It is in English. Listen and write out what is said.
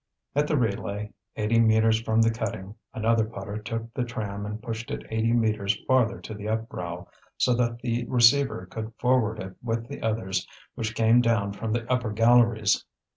At the relay, eighty metres from the cutting, another putter took the tram and pushed it eighty metres farther to the upbrow, so that the receiver could forward it with the others which came down from the upper galleries.